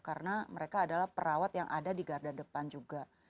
karena mereka adalah perawat yang ada di garda depan juga